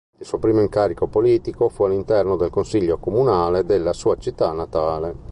Il suo primo incarico politico fu all'interno del consiglio comunale della sua città natale.